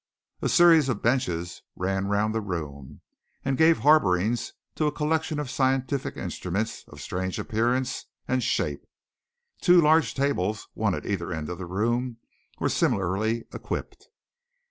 A series of benches ran round the room, and gave harbourings to a collection of scientific instruments of strange appearance and shape; two large tables, one at either end of the room, were similarly equipped.